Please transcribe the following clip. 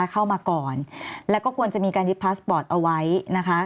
เข้ามาก่อนแล้วก็ควรจะมีการยึดพาสปอร์ตเอาไว้นะคะ